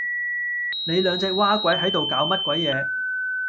你兩隻嘩鬼係度搞乜鬼野